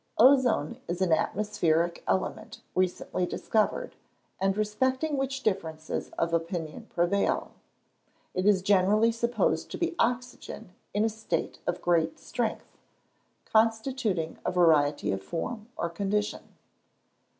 _ Ozone is an atmospheric element recently discovered, and respecting which differences of opinion prevail. It is generally supposed to be oxygen in a state of great strength, constituting a variety of form or condition.